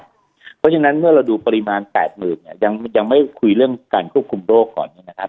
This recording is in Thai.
เพราะฉะนั้นเมื่อเราดูปริมาณ๘๐๐๐เนี่ยยังไม่คุยเรื่องการควบคุมโรคก่อนเนี่ยนะครับ